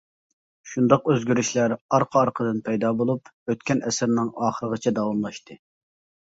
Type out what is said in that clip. شۇنداق ئۆزگىرىشلەر ئارقا-ئارقىدىن پەيدا بولۇپ ئۆتكەن ئەسىرنىڭ ئاخىرىغىچە داۋاملاشتى.